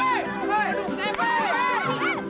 udah boleh bantuin